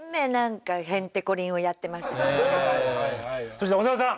そして長田さん！